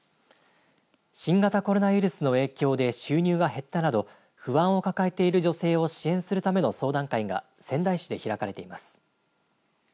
新型コロナウイルスの影響で収入が減ったなど不安を抱えている女性を支援するための相談会が仙台市で開かれています。